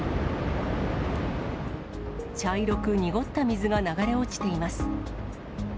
茶色く濁った水が流れ落ちています。